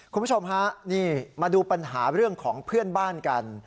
คุณผู้ชมฮะนี่มาดูปัญหาเรื่องของเพื่อนบ้านกัน